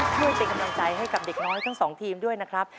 ช่วยเป็นกำลังใจให้กับเด็กน้อยทั้งสองทีมด้วยนะครับ